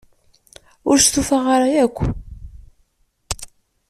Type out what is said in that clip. Ur stufaɣ ara akk.